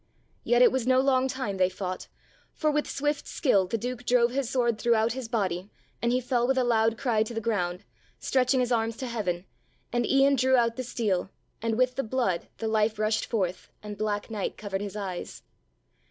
Yet it was no long time they fought, for with swift skill the Duke drove his sword throughout his body and he fell with a loud cry to the ground, stretching his arms to heaven, and Ian drew out the steel and with the blood the life rushed forth and black night covered his eyes.